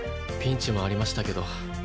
ピンチもありましたけど。